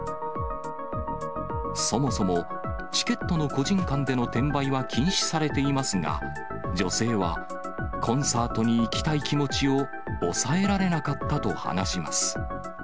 そもそも、チケットの個人間での転売は禁止されていますが、女性は、コンサートに行きたい気持ちを抑えられなかったと話します。